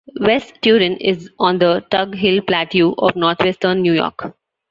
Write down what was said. West Turin is on the Tug Hill Plateau of northwestern New York.